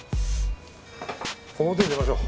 表へ出ましょう。